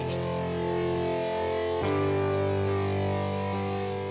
ketua klub anggota anak jalanan ini